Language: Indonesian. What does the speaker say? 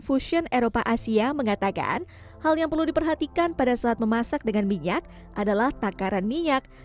dan fusion eropa asia mengatakan hal yang perlu diperhatikan pada saat memasak dengan minyak adalah takaran minyak